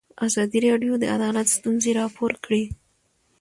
ازادي راډیو د عدالت ستونزې راپور کړي.